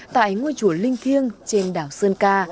tại ngôi chùa linh thiêng trên đảo sơn ca